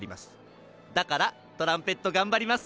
だからトランペットがんばります！